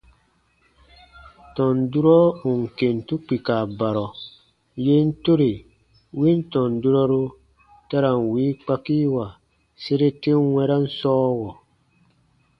Tɔn durɔ ù n kentu kpika barɔ, yen tore win tɔn durɔru ta ra n wii kpakiiwa sere ten wɛ̃ran sɔɔwɔ.